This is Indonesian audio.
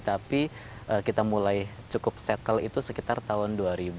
tapi kita mulai cukup settle itu sekitar tahun dua ribu